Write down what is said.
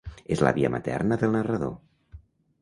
És l'àvia materna del Narrador.